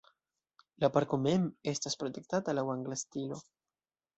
La parko mem estas protektata laŭ angla stilo.